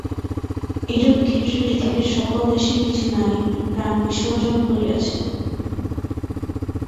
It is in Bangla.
এরূপ ক্ষেত্রে পৃথিবীর সকল দেশেই কিছু নারী প্রাণবিসর্জন করিয়াছে।